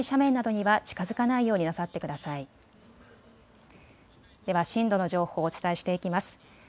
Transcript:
では震度の情報をお伝えしていきます。